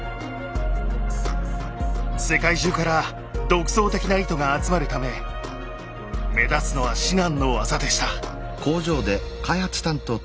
世界中から独創的な糸が集まるため目立つのは至難の業でした。